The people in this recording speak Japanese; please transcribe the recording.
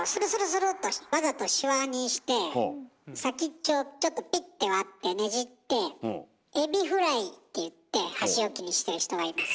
スルッとわざとシワにして先っちょをちょっとピッて割ってねじってエビフライって言って箸置きにしてる人がいます。